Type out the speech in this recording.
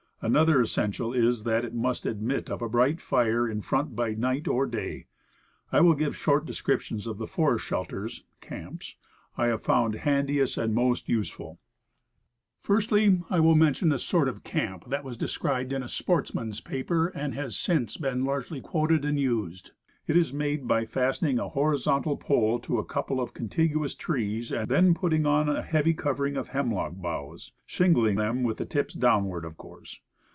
Another essential is, that it must admit of a bright fire in front benight or day. I will give short descriptions of the forest shelters (camps) I have found handiest and most useful: Firstly, I will mention a sort of camp that was described in a sportsman's paper, and has since been largely quoted and used. It is made by fastening a horizontal pole to a couple of contiguous trees, and then putting on a heavy covering of hemlock boughs, shingling them with the tips downward, of course.